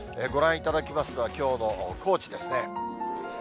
ご覧いただきますのは、きょうの高知ですね。